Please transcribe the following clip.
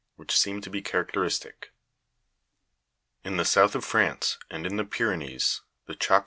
119), which seem to be characteris tic. 4. In the south of France and in the Pyrenees the chalk formation Fig.